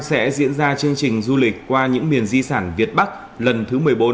sẽ diễn ra chương trình du lịch qua những miền di sản việt bắc lần thứ một mươi bốn